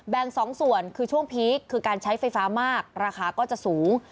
สองส่วนคือช่วงพีคคือการใช้ไฟฟ้ามากราคาก็จะสูง